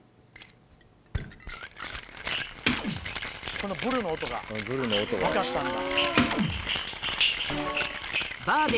このブルの音が分かったんだ。